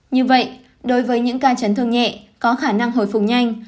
như vậy đối với những ca chấn thương nhẹ có khả năng hồi phục nhanh